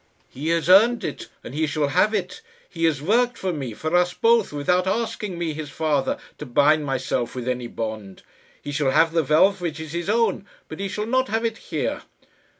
"He has earned it, and he shall have it. He has worked for me for us both without asking me, his father, to bind myself with any bond. He shall have the wealth which is his own, but he shall not have it here.